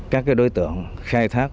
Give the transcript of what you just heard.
các đối tượng khai thác